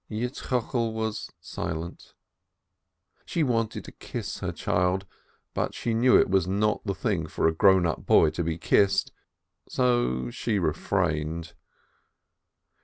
Yitzchokel was silent. She wanted to kiss her child, but she knew it was not the thing for a grown up boy to be kissed, so she refrained.